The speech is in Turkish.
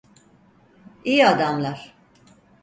İyi adamlar.